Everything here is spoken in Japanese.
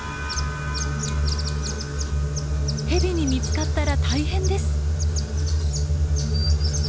ヘビに見つかったら大変です。